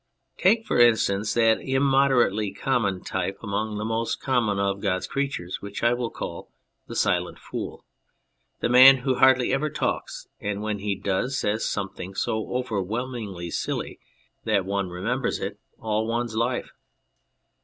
Take, for instance, that immoderately common type, among the most common of God's creatures, which I will call " the Silent Fool," the man who hardly ever talks, and when he does says something so overwhelmingly silly that one remembers it all one's life.